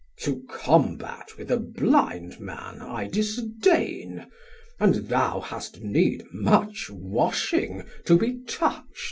Har: To combat with a blind man I disdain And thou hast need much washing to be toucht.